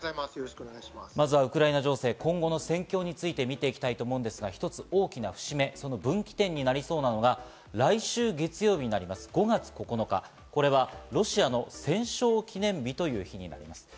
まずはウクライナ情勢、今後の戦況について見ていきますが、まずその分岐点になりそうなのが、来週月曜日の５月９日、これはロシアの戦勝記念日という日になります。